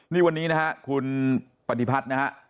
นี่วันนี้นะฮะคุณปฏิพัฒน์นะฮะ